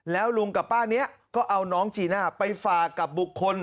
แล้วลุงกับป้านี้ก็เอาน้องจีน่าไปฝากกับบุคคล